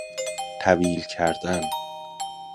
طویل کردن